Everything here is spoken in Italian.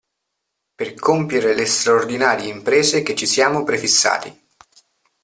Per compiere le straordinarie imprese che ci siamo prefissati.